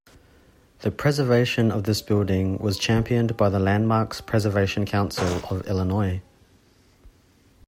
The preservation of this building was championed by the Landmarks Preservation Council of Illinois.